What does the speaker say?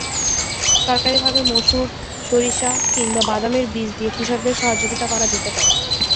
সরকারিভাবে মসুর, সরিষা কিংবা বাদামের বীজ দিয়ে কৃষকদের সহযোগিতা করা যেতে পারে।